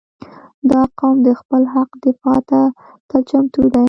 • دا قوم د خپل حق دفاع ته تل چمتو دی.